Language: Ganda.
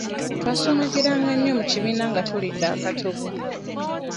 Twasumagiranga nnyo mu kibiina nga tulidde akatogo.